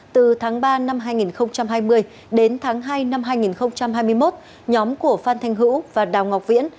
từ tháng ba năm hai nghìn hai mươi đến tháng hai năm hai nghìn hai mươi một nhóm của phan thanh hữu và đào ngọc viễn